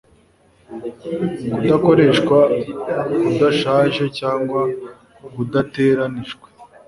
Kudakoreshwa kudashaje cyangwa kudateganijwe